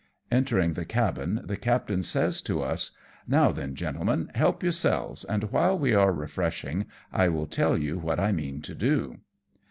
Entering the cabin, the captain says to us, " Now then, gentlemen, help yourselves, and while we are refreshing I will tell you what I mean to do.''